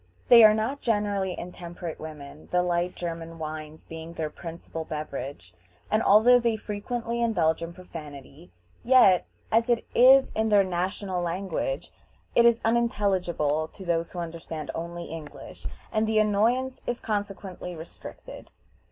They are not generally intemperate women, the light German wines being their principal beverage, and although they frequently indulge in profanity, yet, as it is in their national language, it is unintelligible to those who understand only English, and the annoyance is consequently restricted.